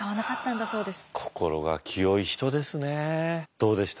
どうでした？